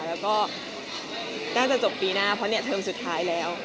แล้วก็น่าจะจบปีหน้าเพราะเนี่ยเทอมสุดท้ายแล้ว